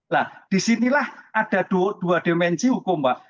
nah disinilah ada dua dimensi hukum pak